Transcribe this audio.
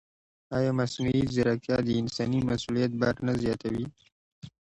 ایا مصنوعي ځیرکتیا د انساني مسؤلیت بار نه زیاتوي؟